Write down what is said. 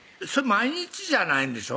毎日じゃないんでしょ？